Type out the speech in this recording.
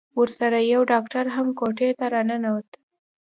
ورسره يو ډاکتر هم کوټې ته راننوت.